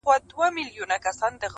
یوه لمسي ورڅخه وپوښتل چي ګرانه بابا-